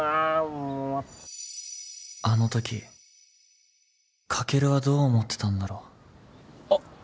もうあのときカケルはどう思ってたんだろうあっ